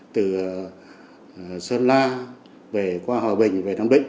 từ sơn la về hòa bình về nam định